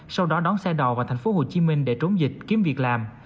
sau đó đón xe đò vào thành phố hồ chí minh để trốn dịch kiếm việc làm